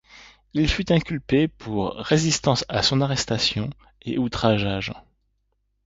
Il fut inculpé pour résistance à son arrestation et outrage à agent.